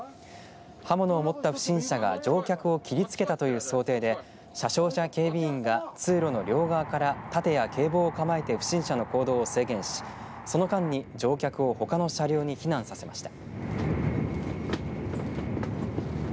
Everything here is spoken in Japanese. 刃物を持った不審者が乗客を切りつけたという想定で車掌や警備員が通路の両側から盾や警棒を構えて不審者の行動を制限しその間に乗客をほかの車両に避難させました。